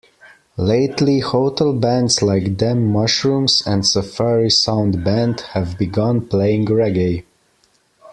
Lately, hotel bands like Them Mushrooms and Safari Sound Band have begun playing reggae.